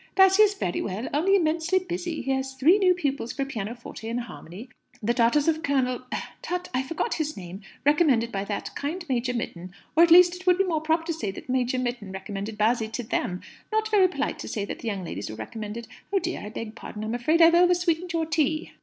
"Bassy is very well, only immensely busy. He has three new pupils for pianoforte and harmony; the daughters of Colonel , tut, I forget his name, recommended by that kind Major Mitton. Or at least it would be more proper to say that Major Mitton recommended Bassy to them! Not very polite to say that the young ladies were recommended oh dear! I beg pardon. I'm afraid I've over sweetened your tea?"